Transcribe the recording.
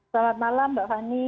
selamat malam mbak fani